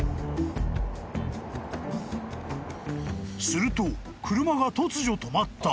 ［すると車が突如止まった］